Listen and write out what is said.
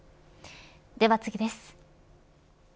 では、次です。